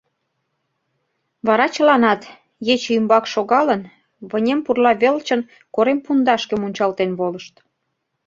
Вара чыланат, ече ӱмбак шогалын, вынем пурла велчын корем пундашке, мунчалтен волышт.